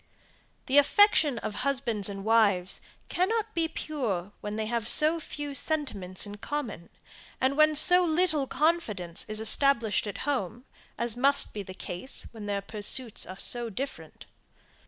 The affection of husbands and wives cannot be pure when they have so few sentiments in common, and when so little confidence is established at home, as must be the case when their pursuits are so different.